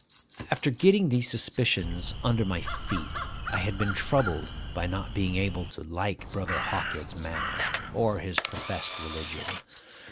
After getting these suspicions under my feet, I had been troubled by not being able to like Brother Hawkyard's manner, or his professed religion.